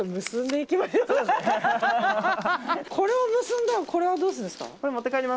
これを結んだらこれはどうするんですか？